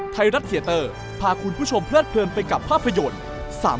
ไทยรัฐเทียเตอร์พาคุณผู้ชมเพลิดเพลินไปกับภาพยนตร์